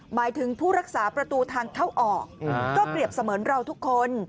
หมายถึงผู้รักษาประตูทางเข้าออกก็เปรียบเสมือนเราทุกคน